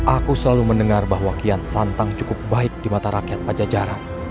aku selalu mendengar bahwa kian santang cukup baik di mata rakyat pajajaran